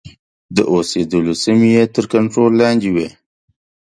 د اوسېدلو سیمې یې تر کنټرول لاندي وې.